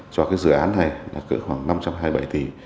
cho cái dự án này là cỡ khoảng năm trăm hai mươi bảy tỷ